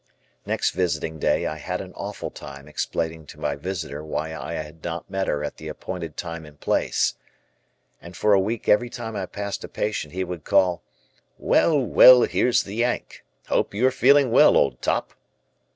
Next visiting day I had an awful time explaining to my visitor why I had not met her at the appointed time and place. And for a week every time I passed a patient he would call, "Well, well, here's the Yank. Hope you are feeling well, old top."